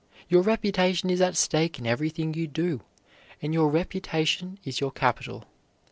Your reputation is at stake in everything you do, and your reputation is your capital.